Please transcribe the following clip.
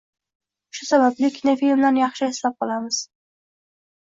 Shu sababli kinofilmlarni yaxshi eslab qolamiz